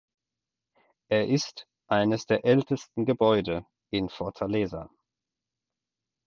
Er ist eines der ältesten Gebäude in Fortaleza.